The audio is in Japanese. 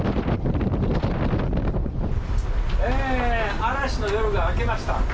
嵐の夜が明けました。